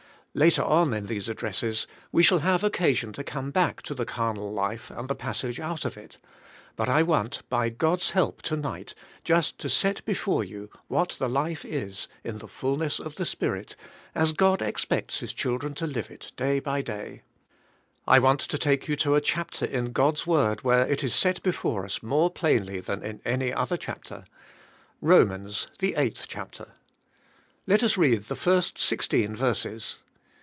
Later on in these addresses we shall have occasion to come back to the carnal life and the passage out of it, SKVKN bi,e;ssings. 15 but I want, by God's help to nig ht, just to set before you what the life is in the fullness of the Spirit, as God expects His children to live it day by day. I want to take you to a chapter in God's word where it is set before us more plainly than in any other chapter. Romans, the eig"hth chapter. Let us read the first sixteen verses.